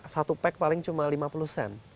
satu pack paling cuma lima puluh sen